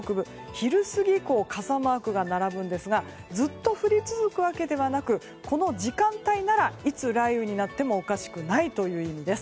昼過ぎ以降傘マークが並ぶんですがずっと降り続くわけではなくこの時間帯ならいつ雷雨になってもおかしくないという意味です。